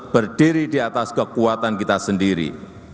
berdiri di atas kekuatan kita sendiri